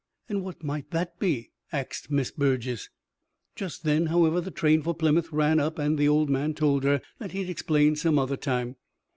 "And what might that be?" axed Miss Burges. Just then, however, the train for Plymouth ran up, and the old man told her that he'd explain some other time.